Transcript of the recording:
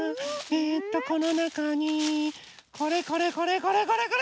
えとこのなかにこれこれこれこれこれこれ！